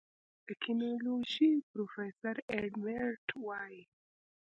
د کینیزیولوژي پروفیسور ایډ میرټ وايي